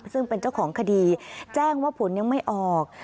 ซึ่งเป็นเจ้าของคดีแจ้งว่าผลยังไม่ออก